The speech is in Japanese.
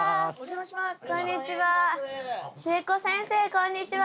こんにちは！